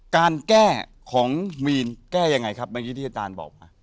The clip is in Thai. การแก้ของมีนแก้ยังไงครับเมื่อกี้ที่อาจารย์บอกมา